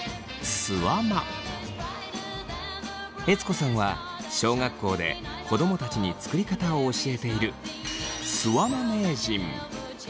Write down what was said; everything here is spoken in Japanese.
悦子さんは小学校で子供たちに作り方を教えているすわま名人！